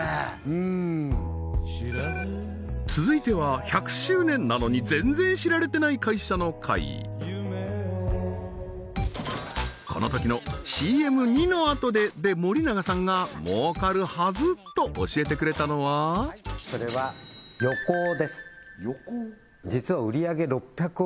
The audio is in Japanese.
うん続いては１００周年なのに全然知られてない会社の回このときの「ＣＭ②のあとで」で森永さんが儲かるはずと教えてくれたのははいそれはヨコオ？